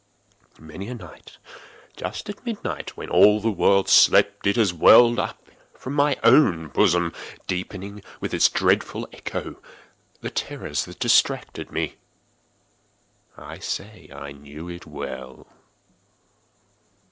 Many a night, just at midnight, when all the world slept, it has welled up from my own bosom, deepening, with its dreadful echo, the terrors that distracted me. I say I knew it well.